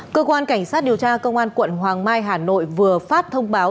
cơ quan cảnh sát điều tra công an quận hoàng mai hà nội vừa phát thông báo